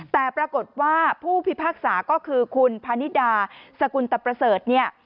แต่ปรากฏว่าผู้พิพากษาก็คือคุณพนิดาสกุลตะประเสริฐเนี่ย